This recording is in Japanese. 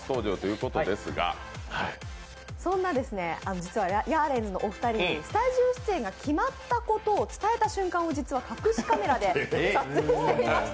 実はヤーレンズのお二人にスタジオ出演が決まったことを伝えた瞬間を実は隠しカメラで撮影しておりました。